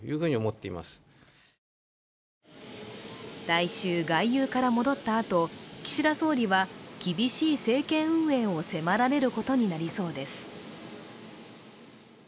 来週、外遊から戻ったあと、岸田総理は厳しい政権運営を迫られることになりそうです。